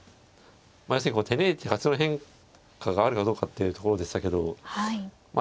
まあ要するに手抜いて勝ちの変化があるかどうかっていうところでしたけどま